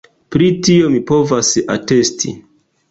Pri tio mi povas atesti.